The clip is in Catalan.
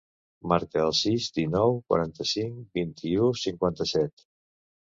Marca el sis, dinou, quaranta-cinc, vint-i-u, cinquanta-set.